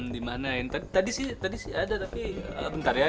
dimana ain tadi sih ada tapi bentar ya